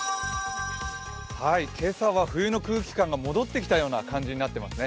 はい、今朝は冬の空気感が戻ってきたような感じになってますね。